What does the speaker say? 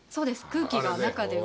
空気が中で。